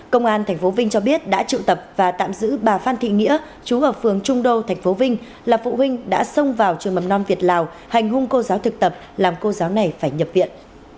công an tp vinh cho biết đã triệu tập và tạm giữ bà phan thị nghĩa chú ở phường trung đô tp vinh là phụ huynh đã xông vào trường mầm non việt lào hành hung cô giáo thực tập làm cô giáo này phải nhập viện